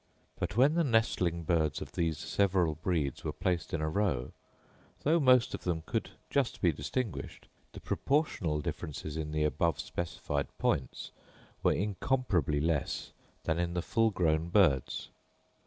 But when the nestling birds of these several breeds were placed in a row, though most of them could just be distinguished, the proportional differences in the above specified points were incomparably less than in the full grown birds.